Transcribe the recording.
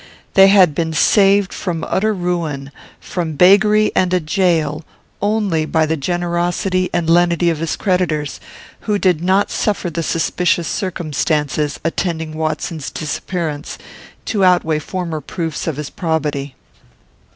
They had been saved from utter ruin, from beggary and a jail, only by the generosity and lenity of his creditors, who did not suffer the suspicious circumstances attending Watson's disappearance to outweigh former proofs of his probity.